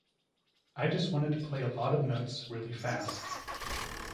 I just wanted to play a lot of notes really fast.